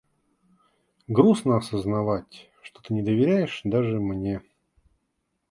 Грустно осознавать, что ты не доверяешь даже мне.